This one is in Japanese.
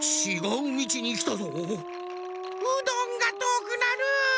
うどんがとおくなる。